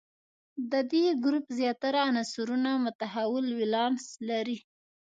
د دې ګروپ زیاتره عنصرونه متحول ولانس لري.